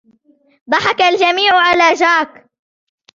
ضحك الجميع على جاك.